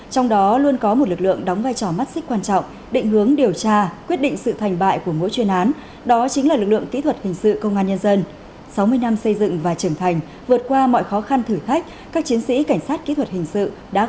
trong đó luôn có một lực lượng đóng vai trò mắt xích quan trọng định hướng điều tra quyết định sự kiểm tra quyết định sự kiểm tra quyết định sự kiểm tra